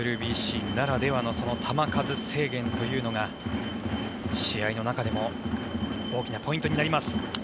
ＷＢＣならではの球数制限というのが試合の中でも大きなポイントになります。